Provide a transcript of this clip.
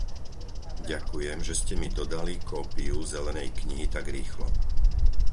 Ďakujem, že ste mi dodali kópiu zelenej knihy tak rýchlo.